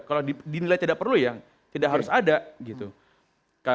kalau dinilai tidak perlu ya tidak harus ada gitu